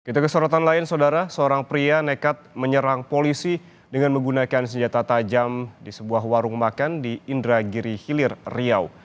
kita ke sorotan lain saudara seorang pria nekat menyerang polisi dengan menggunakan senjata tajam di sebuah warung makan di indragiri hilir riau